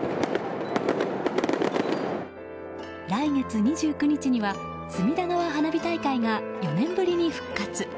来月２９日には隅田川花火大会が４年ぶりに復活。